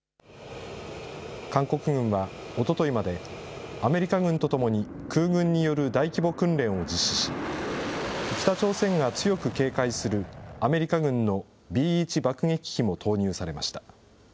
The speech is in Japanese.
韓国軍はおとといまで、アメリカ軍とともに空軍による大規模訓練を実施し、北朝鮮が強く警戒するアメリカ軍のＢ１爆撃機も投入されました。